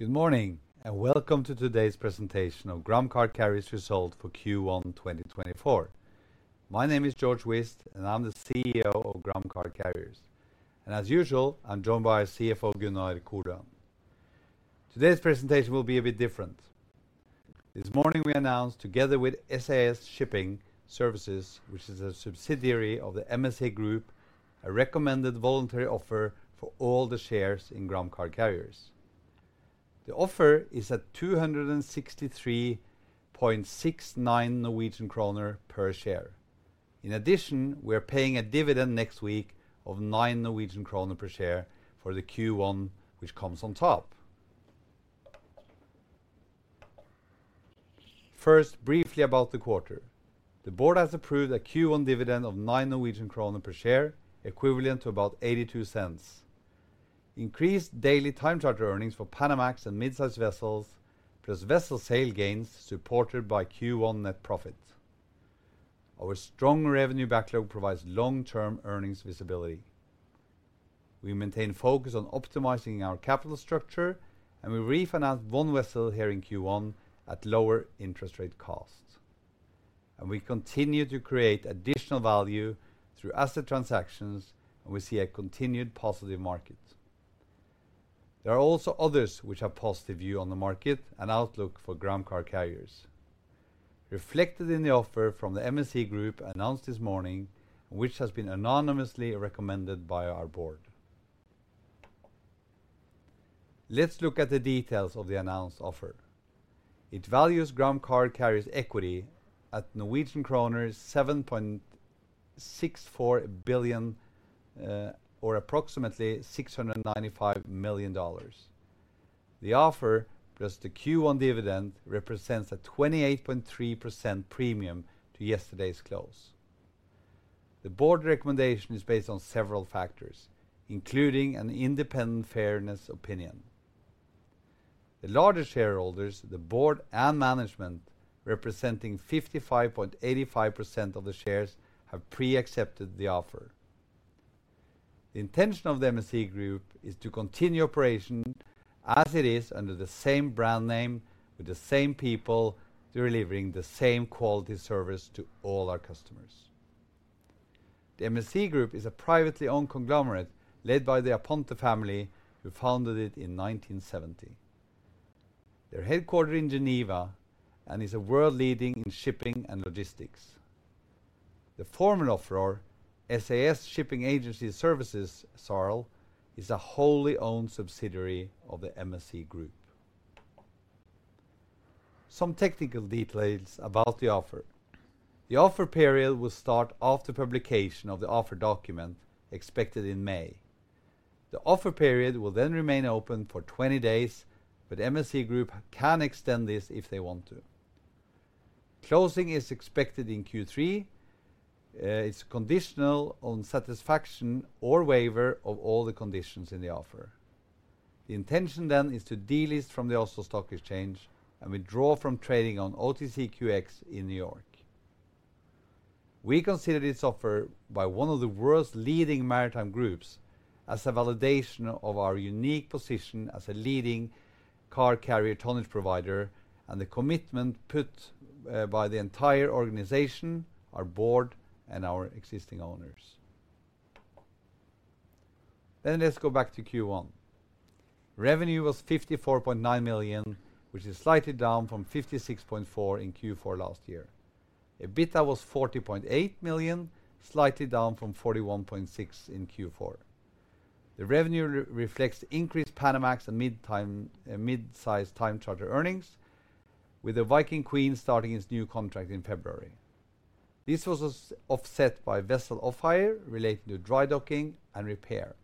Good morning, and welcome to today's presentation of Gram Car Carriers result for Q1 2024. My name is Georg Whist, and I'm the CEO of Gram Car Carriers. As usual, I'm joined by our CFO, Gunnar Koløen. Today's presentation will be a bit different. This morning, we announced together with SAS Shipping Services, which is a subsidiary of the MSC Group, a recommended voluntary offer for all the shares in Gram Car Carriers. The offer is at 263.69 Norwegian kroner per share. In addition, we are paying a dividend next week of 9 Norwegian kroner per share for the Q1, which comes on top. First, briefly about the quarter. The board has approved a Q1 dividend of 9 Norwegian kroner per share, equivalent to about $0.82. Increased daily time charter earnings for Panamax and midsize vessels, plus vessel sale gains supported Q1 net profit. Our strong revenue backlog provides long-term earnings visibility. We maintain focus on optimizing our capital structure, and we refinance one vessel here in Q1 at lower interest rate cost. We continue to create additional value through asset transactions, and we see a continued positive market. There are also others which have positive view on the market and outlook for Gram Car Carriers, reflected in the offer from the MSC Group announced this morning, which has been unanimously recommended by our board. Let's look at the details of the announced offer. It values Gram Car Carriers equity at NOK 7.64 billion, or approximately $695 million. The offer, plus the Q1 dividend, represents a 28.3% premium to yesterday's close. The board recommendation is based on several factors, including an independent fairness opinion. The larger shareholders, the board and management, representing 55.85% of the shares, have pre-accepted the offer. The intention of the MSC Group is to continue operation as it is under the same brand name, with the same people, delivering the same quality service to all our customers. The MSC Group is a privately owned conglomerate led by the Aponte family, who founded it in 1970. They're headquartered in Geneva and is a world leading in shipping and logistics. The formal offeror, SAS Shipping Agencies Services, Sàrl, is a wholly owned subsidiary of the MSC Group. Some technical details about the offer. The offer period will start after publication of the offer document, expected in May. The offer period will then remain open for 20 days, but MSC Group can extend this if they want to. Closing is expected in Q3. It's conditional on satisfaction or waiver of all the conditions in the offer. The intention then is to delist from the Oslo Stock Exchange and withdraw from trading on OTCQX in New York. We consider this offer by one of the world's leading maritime groups as a validation of our unique position as a leading car carrier tonnage provider and the commitment put by the entire organization, our board, and our existing owners. Then let's go back to Q1. Revenue was $54.9 million, which is slightly down from $56.4 million in Q4 last year. EBITDA was $40.8 million, slightly down from $41.6 million in Q4. The revenue reflects increased Panamax and mid-size time charter earnings, with the Viking Queen starting its new contract in February. This was offset by vessel off hire relating to dry docking and repair.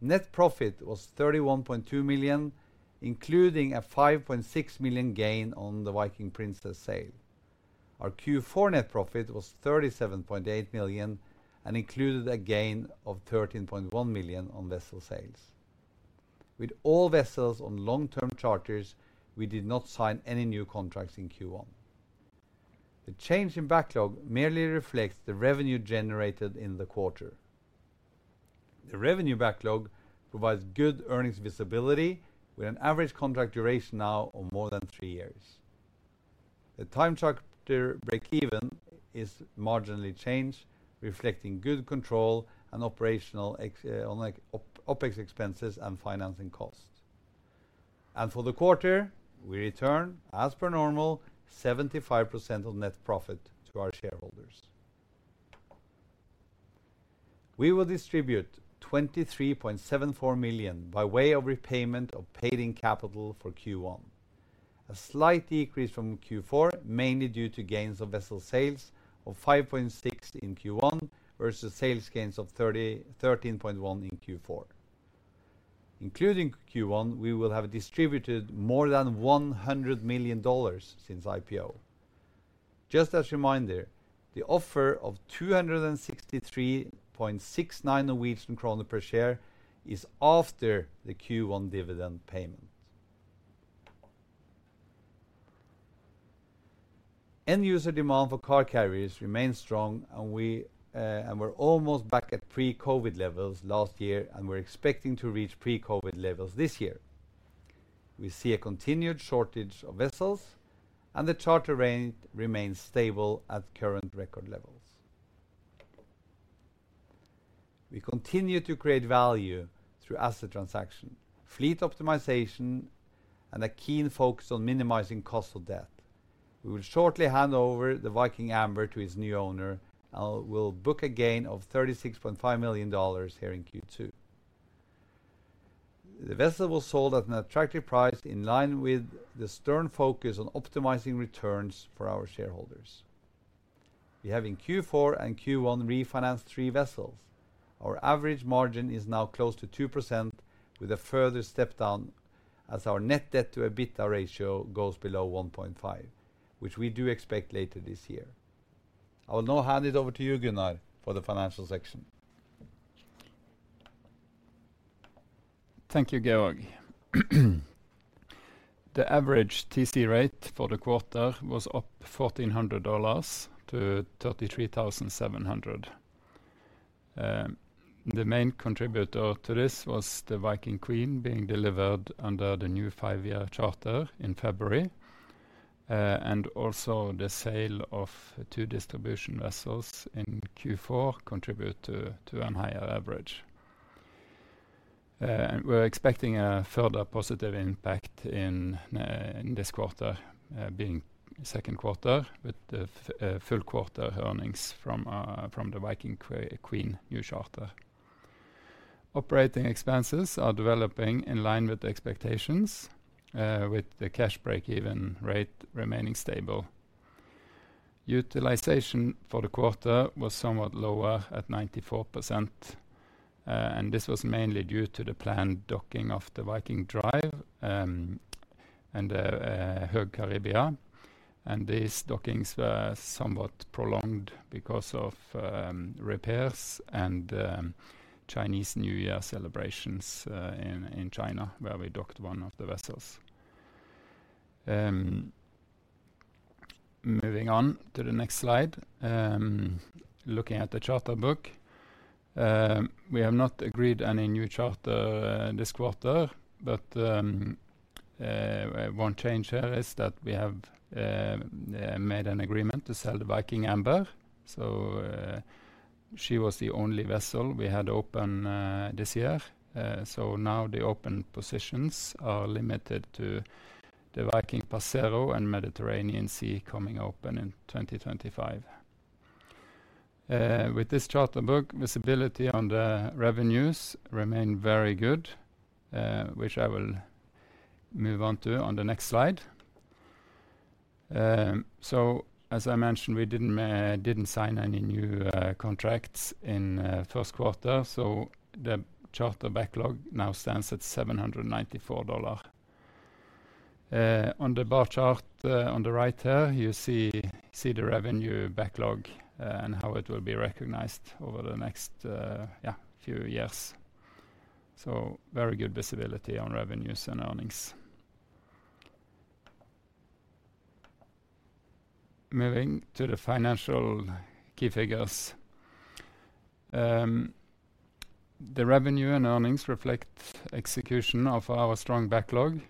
Net profit was $31.2 million, including a $5.6 million gain on the Viking Princess sale. Our Q4 net profit was $37.8 million and included a gain of $13.1 million on vessel sales. With all vessels on long-term charters, we did not sign any new contracts in Q1. The change in backlog merely reflects the revenue generated in the quarter. The revenue backlog provides good earnings visibility, with an average contract duration now of more than three years. The time charter break even is marginally changed, reflecting good control and operational OpEx expenses and financing costs. For the quarter, we return, as per normal, 75% of net profit to our shareholders. We will distribute $23.74 million by way of repayment of paid-in capital for Q1. A slight decrease from Q4, mainly due to gains of vessel sales of $5.6 in Q1 versus sales gains of $13.1 in Q4. Including Q1, we will have distributed more than $100 million since IPO. Just a reminder, the offer of 263.69 Norwegian kroner per share is after the Q1 dividend payment. End user demand for car carriers remains strong, and we're almost back at pre-COVID levels last year, and we're expecting to reach pre-COVID levels this year. We see a continued shortage of vessels, and the charter range remains stable at current record levels. We continue to create value through asset transaction, fleet optimization, and a keen focus on minimizing cost of debt. We will shortly hand over the Viking Amber to its new owner and will book a gain of $36.5 million here in Q2. The vessel was sold at an attractive price, in line with the stern focus on optimizing returns for our shareholders. We have in Q4 and Q1 refinanced three vessels. Our average margin is now close to 2%, with a further step down as our net debt to EBITDA ratio goes below 1.5, which we do expect later this year. I will now hand it over to you, Gunnar, for the financial section. Thank you, Georg. The average TC rate for the quarter was up $1,400 to $33,700. The main contributor to this was the Viking Queen being delivered under the new five-year charter in February, and also the sale of two distribution vessels in Q4 contribute to, to a higher average. We're expecting a further positive impact in, in this quarter, being second quarter, with the full quarter earnings from, from the Viking Queen new charter. Operating expenses are developing in line with the expectations, with the cash breakeven rate remaining stable. Utilization for the quarter was somewhat lower at 94%, and this was mainly due to the planned docking of the Viking Drive, and the, Höegh Caribia. These dockings were somewhat prolonged because of repairs and Chinese New Year celebrations in China, where we docked one of the vessels. Moving on to the next slide. Looking at the charter book, we have not agreed any new charter this quarter, but one change here is that we have made an agreement to sell the Viking Amber. So, she was the only vessel we had open this year. So now the open positions are limited to the Viking Passero and Mediterranean Sea coming open in 2025. With this charter book, visibility on the revenues remain very good, which I will move on to on the next slide. So as I mentioned, we didn't sign any new contracts in first quarter, so the charter backlog now stands at $794. On the bar chart on the right here, you see the revenue backlog and how it will be recognized over the next few years. So very good visibility on revenues and earnings. Moving to the financial key figures. The revenue and earnings reflect execution of our strong backlog.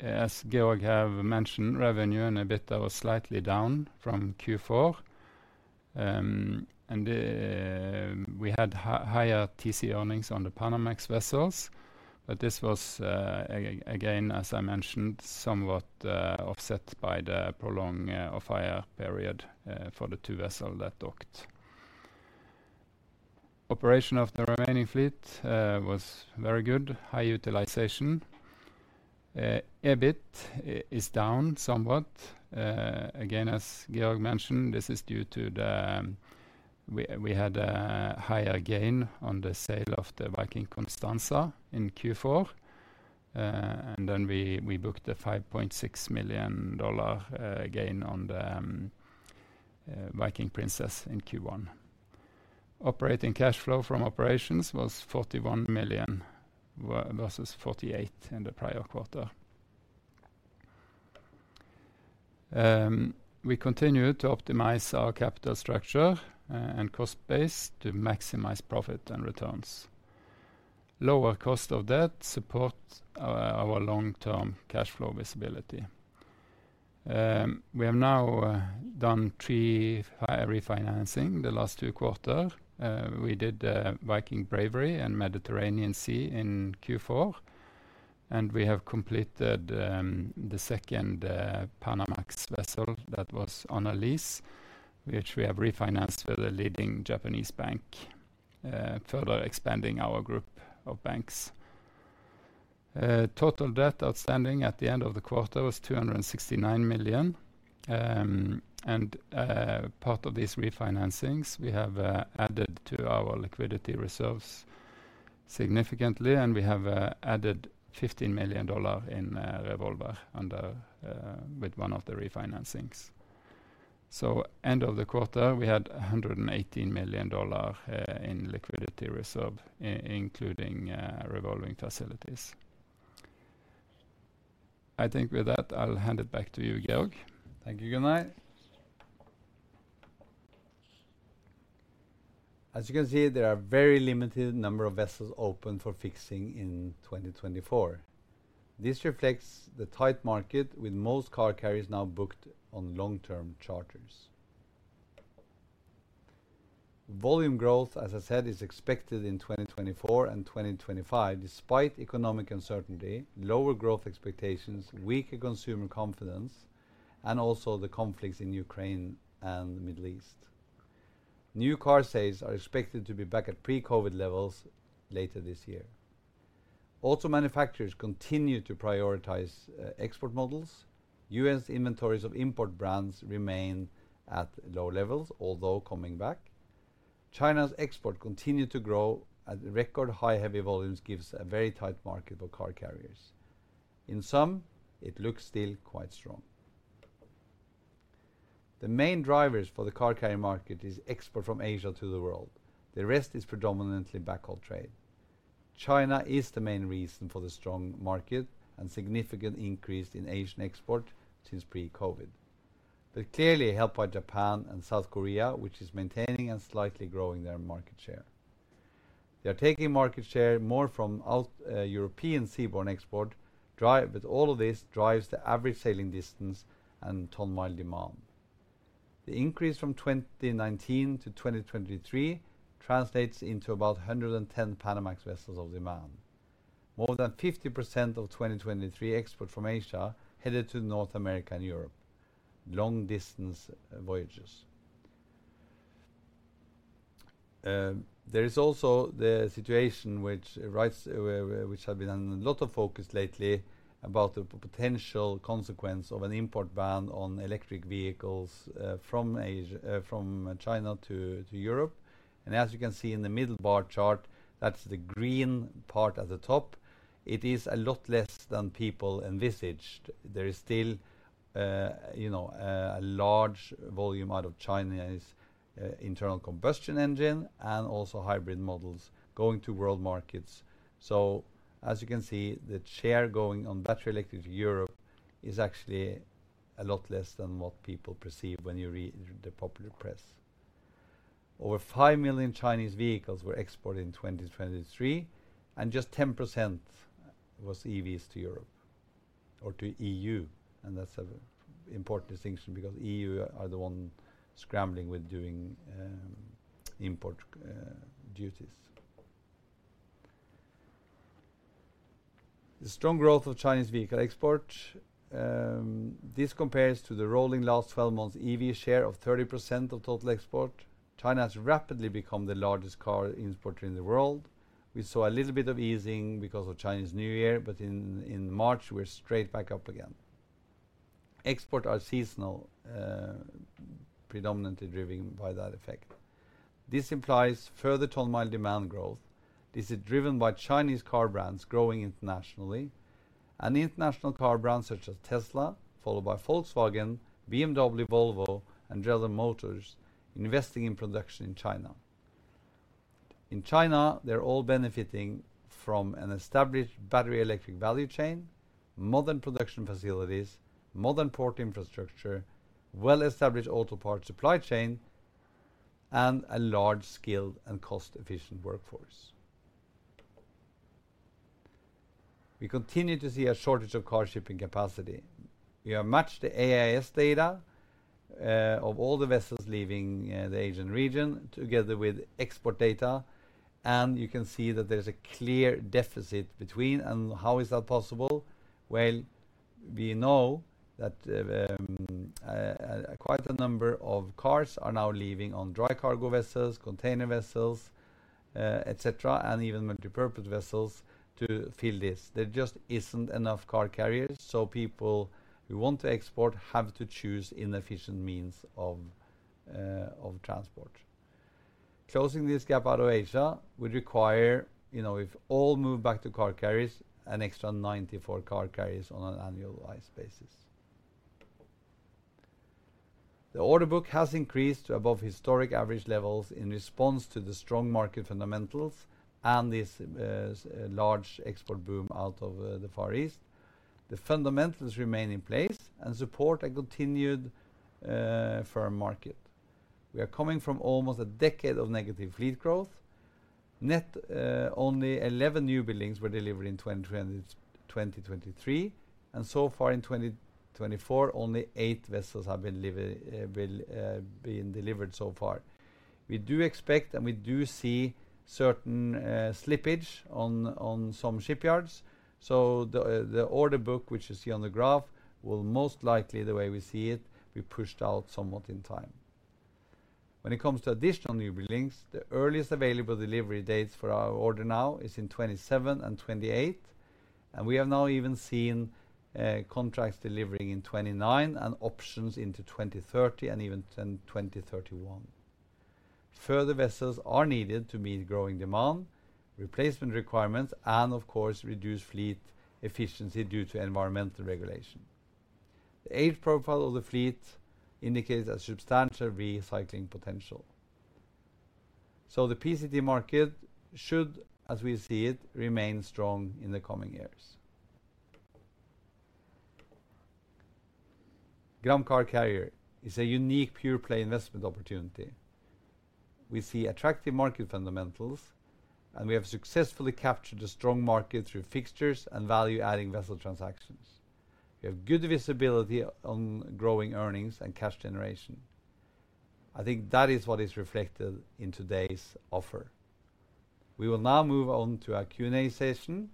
As Georg have mentioned, revenue and EBITDA was slightly down from Q4. And we had higher TC earnings on the Panamax vessels, but this was again, as I mentioned, somewhat offset by the prolonged off-hire period for the two vessel that docked. Operation of the remaining fleet was very good, high utilization. EBIT is down somewhat. Again, as Georg mentioned, this is due to the. We had a higher gain on the sale of the Viking Constanza in Q4. And then we booked a $5.6 million gain on the Viking Princess in Q1. Operating cash flow from operations was $41 million versus $48 million in the prior quarter. We continue to optimize our capital structure and cost base to maximize profit and returns. Lower cost of debt supports our long-term cash flow visibility. We have now done three refinancing the last two quarter. We did Viking Bravery and Mediterranean Sea in Q4, and we have completed the second Panamax vessel that was on a lease, which we have refinanced with a leading Japanese bank, further expanding our group of banks. Total debt outstanding at the end of the quarter was $269 million. Part of these refinancings, we have added to our liquidity reserves significantly, and we have added $15 million in revolver under with one of the refinancings. End of the quarter, we had $118 million in liquidity reserve, including revolving facilities. I think with that, I'll hand it back to you, Georg. Thank you, Gunnar. As you can see, there are very limited number of vessels open for fixing in 2024. This reflects the tight market, with most car carriers now booked on long-term charters. Volume growth, as I said, is expected in 2024 and 2025, despite economic uncertainty, lower growth expectations, weaker consumer confidence, and also the conflicts in Ukraine and the Middle East. New car sales are expected to be back at pre-COVID levels later this year. Auto manufacturers continue to prioritize export models. U.S. inventories of import brands remain at low levels, although coming back. China's export continue to grow at record high heavy volumes, gives a very tight market for car carriers. In sum, it looks still quite strong. The main drivers for the car carrier market is export from Asia to the world. The rest is predominantly backhaul trade. China is the main reason for the strong market and significant increase in Asian export since pre-COVID. But clearly helped by Japan and South Korea, which is maintaining and slightly growing their market share. They are taking market share more from European seaborne export, but all of this drives the average sailing distance and ton-mile demand. The increase from 2019 to 2023 translates into about 110 Panamax vessels of demand. More than 50% of 2023 export from Asia headed to North America and Europe, long distance voyages. There is also the situation with rates which have been on a lot of focus lately about the potential consequence of an import ban on electric vehicles from China to Europe. As you can see in the middle bar chart, that's the green part at the top. It is a lot less than people envisaged. There is still, you know, a large volume out of China is internal combustion engine and also hybrid models going to world markets. So as you can see, the share going on battery electric to Europe is actually a lot less than what people perceive when you read the popular press. Over 5 million Chinese vehicles were exported in 2023, and just 10% was EVs to Europe or to EU, and that's an important distinction because EU are the one scrambling with doing import duties. The strong growth of Chinese vehicle export, this compares to the rolling last 12 months EV share of 30% of total export. China has rapidly become the largest car exporter in the world. We saw a little bit of easing because of Chinese New Year, but in March, we're straight back up again. Exports are seasonal, predominantly driven by that effect. This implies further ton-mile demand growth. This is driven by Chinese car brands growing internationally and the international car brands such as Tesla, followed by Volkswagen, BMW, Volvo, and General Motors, investing in production in China. In China, they're all benefiting from an established battery electric value chain, modern production facilities, modern port infrastructure, well-established auto parts supply chain, and a large skilled and cost-efficient workforce. We continue to see a shortage of car shipping capacity. We have matched the AIS data of all the vessels leaving the Asian region together with export data, and you can see that there is a clear deficit between, and how is that possible? Well, we know that quite a number of cars are now leaving on dry cargo vessels, container vessels, et cetera, and even multipurpose vessels to fill this. There just isn't enough car carriers, so people who want to export have to choose inefficient means of transport. Closing this gap out of Asia would require, you know, if all moved back to car carriers, an extra 94 car carriers on an annualized basis. The order book has increased to above historic average levels in response to the strong market fundamentals and this large export boom out of the Far East. The fundamentals remain in place and support a continued firm market. We are coming from almost a decade of negative fleet growth. Net, only 11 newbuildings were delivered in 2023, and so far in 2024, only eight vessels have been delivered so far. We do expect, and we do see certain slippage on some shipyards, so the order book, which you see on the graph, will most likely, the way we see it, be pushed out somewhat in time. When it comes to additional newbuildings, the earliest available delivery dates for our order now is in 2027 and 2028, and we have now even seen contracts delivering in 2029 and options into 2030 and even 2031. Further vessels are needed to meet growing demand, replacement requirements, and of course, reduce fleet efficiency due to environmental regulation. The age profile of the fleet indicates a substantial recycling potential. So the PCT market should, as we see it, remain strong in the coming years. Gram Car Carriers is a unique pure-play investment opportunity. We see attractive market fundamentals, and we have successfully captured a strong market through fixtures and value-adding vessel transactions. We have good visibility on growing earnings and cash generation. I think that is what is reflected in today's offer. We will now move on to our Q&A session.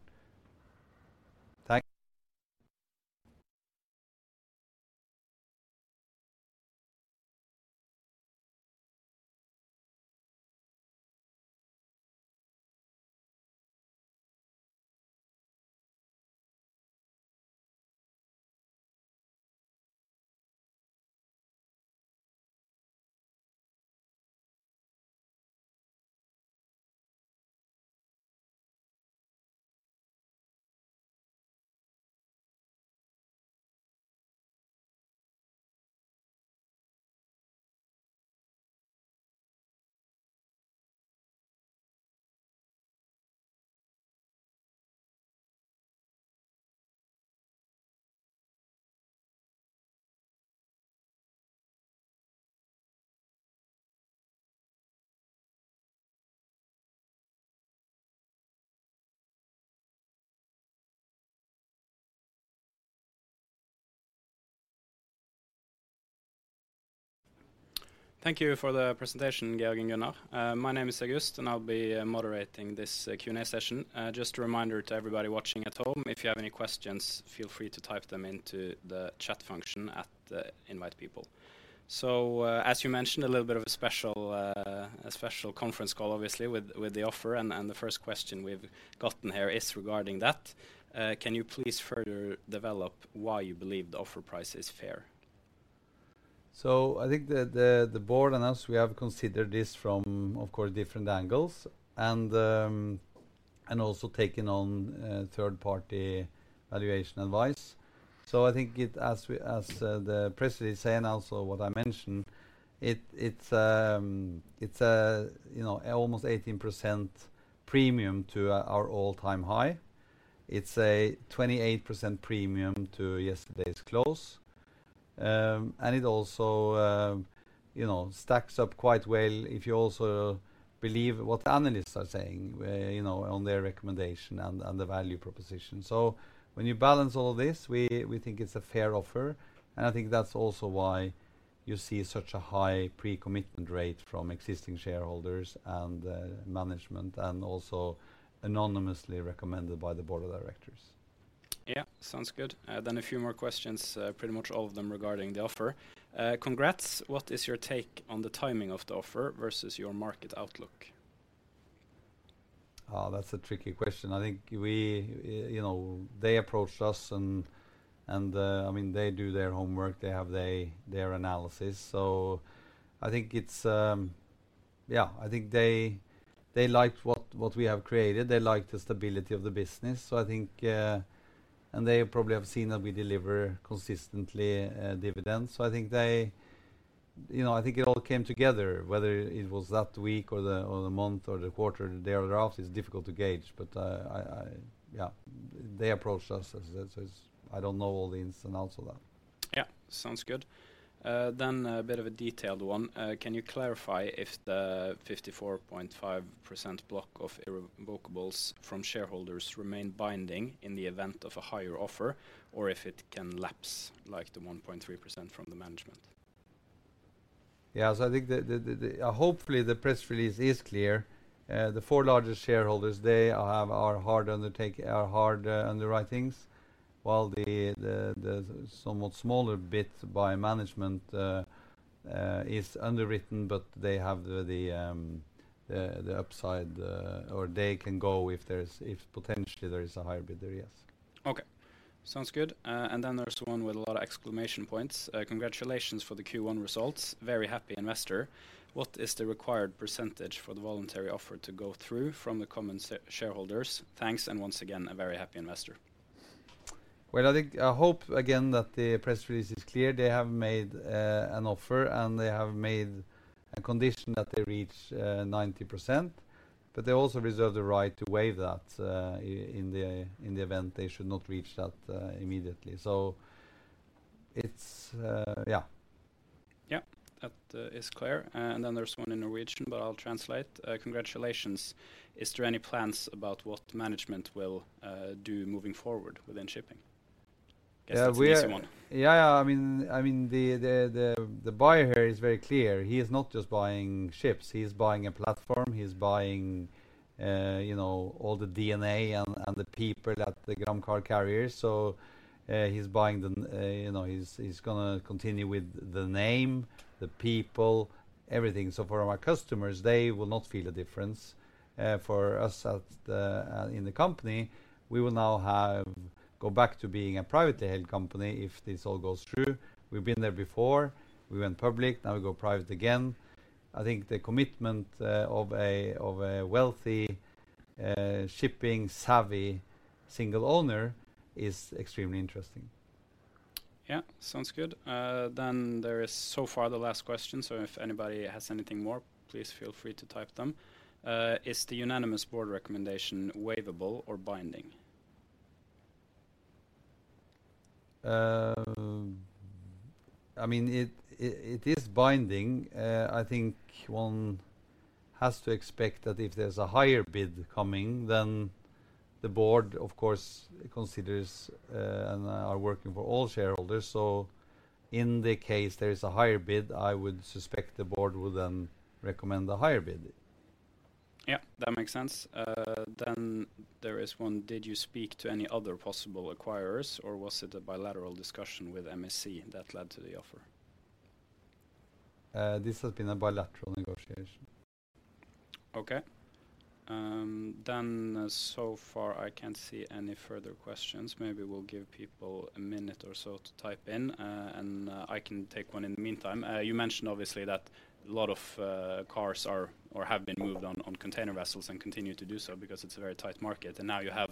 Thank- Thank you for the presentation, Georg and Gunnar. My name is August, and I'll be moderating this Q&A session. Just a reminder to everybody watching at home, if you have any questions, feel free to type them into the chat function at the Invite people. So, as you mentioned, a little bit of a special conference call, obviously, with the offer, and the first question we've gotten here is regarding that. Can you please further develop why you believe the offer price is fair? So I think the board and us, we have considered this from, of course, different angles, and also taking on third-party valuation advice. So I think it—as we, as the press release say, and also what I mentioned, it's a, you know, almost 18% premium to our all-time high. It's a 28% premium to yesterday's close. And it also, you know, stacks up quite well if you also believe what the analysts are saying, you know, on their recommendation and the value proposition. So when you balance all this, we think it's a fair offer, and I think that's also why you see such a high pre-commitment rate from existing shareholders and management, and also unanimously recommended by the board of directors. Yeah. Sounds good. A few more questions, pretty much all of them regarding the offer. "Congrats! What is your take on the timing of the offer versus your market outlook? Oh, that's a tricky question. I think we... you know, they approached us and I mean, they do their homework, they have their analysis. So I think it's... Yeah, I think they liked what we have created. They liked the stability of the business. So I think... And they probably have seen that we deliver consistently dividends. So I think they... You know, I think it all came together, whether it was that week or the month, or the quarter, the day or after, it's difficult to gauge, but... Yeah, they approached us as... I don't know all the ins and outs of that. Yeah. Sounds good. Then, a bit of a detailed one. Can you clarify if the 54.5% block of irrevocable from shareholders remain binding in the event of a higher offer, or if it can lapse like the 1.3% from the management? Yeah, so I think the... Hopefully, the press release is clear. The four largest shareholders, they are hard underwritings, while the somewhat smaller bit by management is underwritten, but they have the upside. Or they can go if there's - if potentially there is a higher bidder, yes. Okay. Sounds good. And then there's one with a lot of exclamation points. "Congratulations for the Q1 results. Very happy investor. What is the required percentage for the voluntary offer to go through from the common shareholders? Thanks, and once again, a very happy investor. Well, I think... I hope again that the press release is clear. They have made an offer, and they have made a condition that they reach 90%, but they also reserve the right to waive that in the event they should not reach that immediately. So it's... Yeah. Yeah. That is clear. And then there's one in Norwegian, but I'll translate. "Congratulations. Is there any plans about what management will do moving forward within shipping?" Guess that's an easy one. Yeah, yeah, I mean, the buyer here is very clear. He is not just buying ships, he is buying a platform. He is buying all the DNA and the people that the Gram Car Carriers. So, he's gonna continue with the name, the people, everything. So for our customers, they will not feel a difference. For us in the company, we will now have go back to being a privately held company if this all goes through. We've been there before. We went public, now we go private again. I think the commitment of a wealthy shipping savvy, single owner is extremely interesting. Yeah, sounds good. Then there is so far the last question, so if anybody has anything more, please feel free to type them. Is the unanimous board recommendation waivable or binding? I mean, it is binding. I think one has to expect that if there's a higher bid coming, then the board, of course, considers and are working for all shareholders. So in the case there is a higher bid, I would suspect the board would then recommend the higher bid. Yeah, that makes sense. Then there is one: Did you speak to any other possible acquirers, or was it a bilateral discussion with MSC that led to the offer? This has been a bilateral negotiation. Okay. So far, I can't see any further questions. Maybe we'll give people a minute or so to type in, and I can take one in the meantime. You mentioned obviously that a lot of cars are or have been moved on container vessels and continue to do so because it's a very tight market, and now you have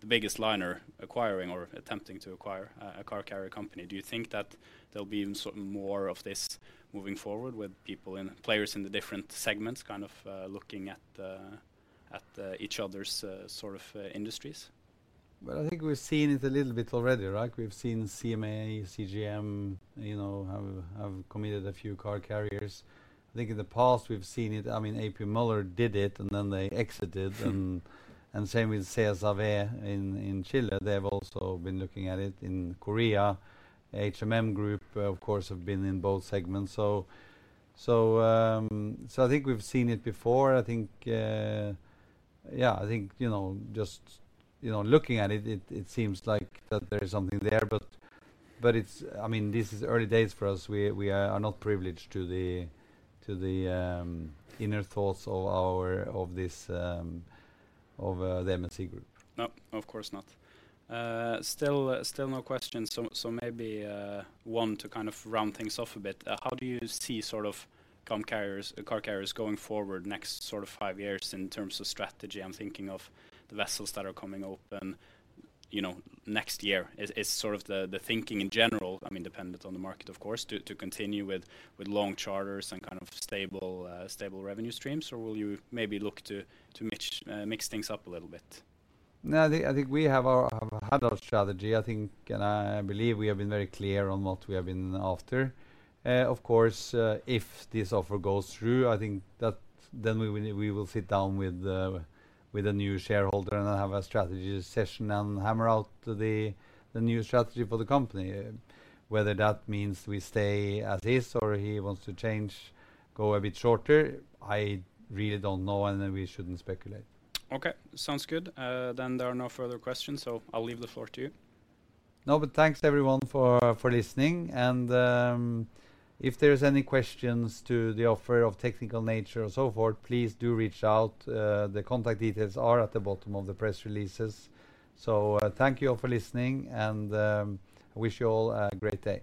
the biggest liner acquiring or attempting to acquire a car carrier company. Do you think that there'll be even sort of more of this moving forward with players in the different segments, kind of looking at each other's sort of industries? Well, I think we've seen it a little bit already, right? We've seen CMA CGM, you know, have committed a few car carriers. I think in the past we've seen it. I mean, AP Moller did it, and then they exited, and same with CSAV in Chile. They have also been looking at it in Korea. HMM Group, of course, have been in both segments. So I think we've seen it before. I think, yeah, I think, you know, just, you know, looking at it, it seems like that there is something there, but it's—I mean, this is early days for us. We are not privileged to the inner thoughts of the MSC Group. No, of course not. Still, no questions, so maybe one to kind of round things off a bit. How do you see sort of car carriers going forward next sort of five years in terms of strategy? I'm thinking of the vessels that are coming open, you know, next year. Is sort of the thinking in general, I mean, dependent on the market, of course, to continue with long charters and kind of stable revenue streams, or will you maybe look to mix things up a little bit? No, I think we have had our strategy. I think, and I believe we have been very clear on what we have been after. Of course, if this offer goes through, I think that then we will sit down with the new shareholder and have a strategy session and hammer out the new strategy for the company. Whether that means we stay as is, or he wants to change, go a bit shorter, I really don't know, and then we shouldn't speculate. Okay, sounds good. Then there are no further questions, so I'll leave the floor to you. No, but thanks, everyone, for listening. If there is any questions to the offer of technical nature and so forth, please do reach out. The contact details are at the bottom of the press releases. Thank you all for listening, and wish you all a great day.